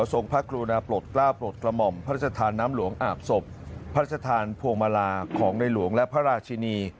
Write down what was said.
พระกรุณาปลดกล้าปลดกระหม่อมพระราชทานน้ำหลวงอาบศพพระราชทานพวงมาลาของในหลวงและพระราชินี